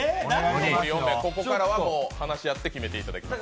ここからはもう話し合って決めていただきます。